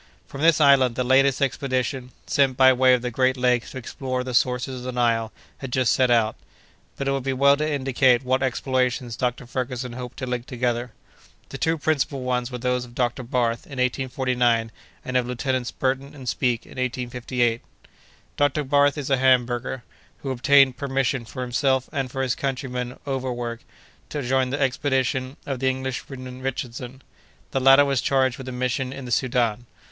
From this island the latest expedition, sent by way of the great lakes to explore the sources of the Nile, had just set out. But it would be well to indicate what explorations Dr. Ferguson hoped to link together. The two principal ones were those of Dr. Barth in 1849, and of Lieutenants Burton and Speke in 1858. Dr. Barth is a Hamburger, who obtained permission for himself and for his countryman Overweg to join the expedition of the Englishman Richardson. The latter was charged with a mission in the Soudan.